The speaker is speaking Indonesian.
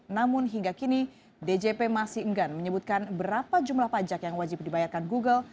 namun hingga kini djp masih enggan menyebutkan berapa jumlah pajak yang wajib dibayarkan google